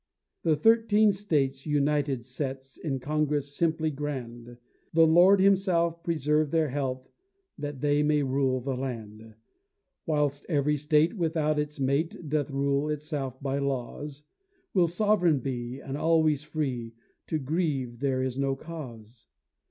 The Thirteen States, united sets, In Congress simply grand; The Lord himself preserve their health, That they may rule the land. Whilst every State, without its mate, Doth rule itself by laws, Will sovereign be, and always free; To grieve there is no cause.